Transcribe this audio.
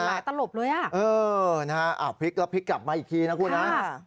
ตลบเลยอ่ะเออนะฮะพลิกแล้วพลิกกลับมาอีกทีนะคุณฮะ